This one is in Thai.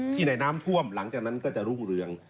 ในน้ำท่วมหลังจากนั้นก็จะรุ่งเรือง